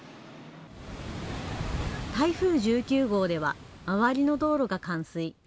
台風１９号では、周りの道路が冠水。